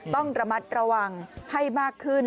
ต้องระมัดระวังให้มากขึ้น